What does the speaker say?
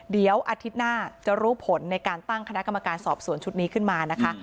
เดี๋ยวอาทิตย์หน้าจะรู้ผลในการตั้งคณะกรรมการสอบสวนชุดนี้ขึ้นมานะคะ